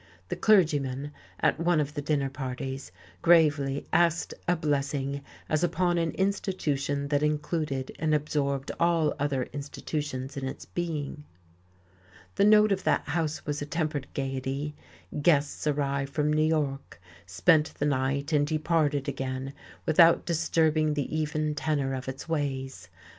The clergyman, at one of the dinner parties, gravely asked a blessing as upon an Institution that included and absorbed all other institutions in its being.... The note of that house was a tempered gaiety. Guests arrived from New York, spent the night and departed again without disturbing the even tenor of its ways.